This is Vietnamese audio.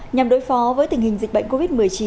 nhằm đối phó với tình hình dịch bệnh covid một mươi chín